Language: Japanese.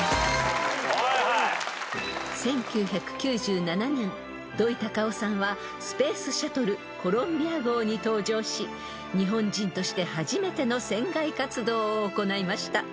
［１９９７年土井隆雄さんはスペースシャトルコロンビア号に搭乗し日本人として初めての船外活動を行いました］